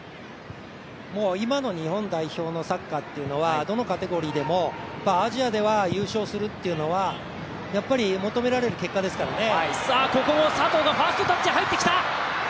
今の日本代表のサッカーはどのカテゴリーでもアジアでは優勝するっていうのはやっぱり求められる結果ですからね。